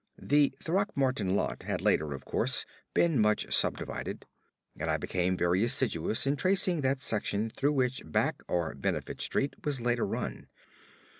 The Throckmorton lot had later, of course, been much subdivided; and I became very assiduous in tracing that section through which Back or Benefit Street was later run.